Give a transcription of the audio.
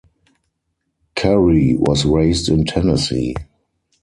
Curry was raised in Tennessee.